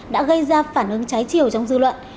đã gây ra phản ứng trái chiều trong dư luận